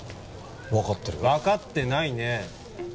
分かってるよ分かってないね！